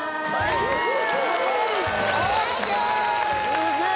すげえ